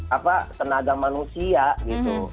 apa tenaga manusia gitu